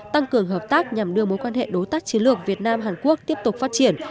tăng cường hợp tác nhằm đưa mối quan hệ đối tác chiến lược việt nam hàn quốc tiếp tục phát triển